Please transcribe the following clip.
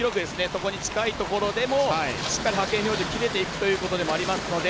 そこに近いところでもしっかり派遣標準切れていくということでもあるので。